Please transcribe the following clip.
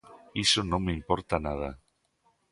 Iso non me importa nada.